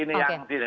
ini yang gini